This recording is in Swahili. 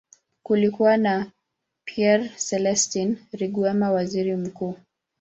Kulikuwa na Pierre Celestin Rwigema, waziri mkuu.